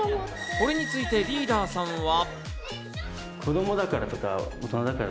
これについてリーダーさんは。